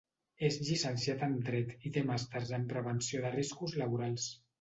És llicenciat en Dret i té màsters en Prevenció de Riscos Laborals.